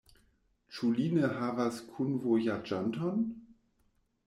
Ĉu li ne havas kunvojaĝanton?